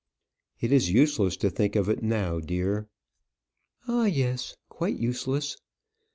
"It is useless to think of it now, dear." "Ah, yes! quite useless.